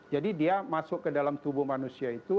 jadi dia masuk ke dalam tubuh manusia itu